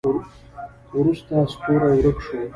وروسته ستوری ورک شو.